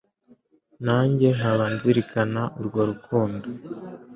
nanjye nkaba nzirikana urwo rukundo.